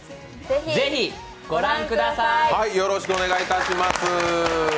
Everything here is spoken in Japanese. ぜひ御覧ください。